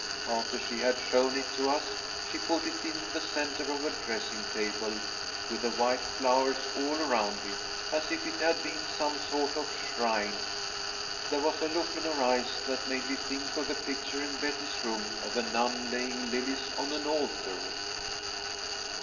After she had shown it to us, she put it in the centre of her dressing table, with the white flowers all around it, as if it had been some sort of shrine. There was a look in her eyes that made me think of the picture in Betty's room of a nun laying lilies on an altar.